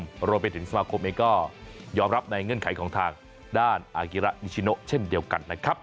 รวมไปถึงสมาคมเองก็ยอมรับในเงื่อนไขของทางด้านอากิระนิชิโนเช่นเดียวกันนะครับ